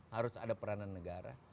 harus ada peranan negara